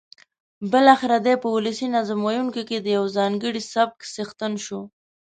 بالاخره دی په ولسي نظم ویونکیو کې د یوه ځانګړي سبک څښتن شو.